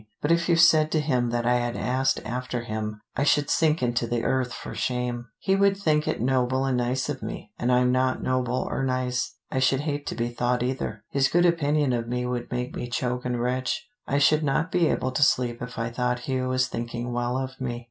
But if you said to him that I had asked after him, I should sink into the earth for shame. He would think it noble and nice of me, and I'm not noble or nice. I should hate to be thought either. His good opinion of me would make me choke and retch. I should not be able to sleep if I thought Hugh was thinking well of me.